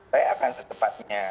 saya akan secepatnya